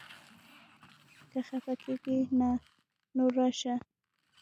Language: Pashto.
که خپه کېږې نه؛ نو راشه!